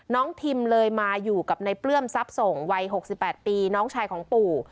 ทิมเลยมาอยู่กับในเปลื้อมทรัพย์ส่งวัย๖๘ปีน้องชายของปู่